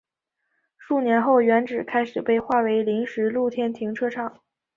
数年后原址开始被划为临时露天停车场。